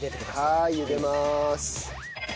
はい茹でます。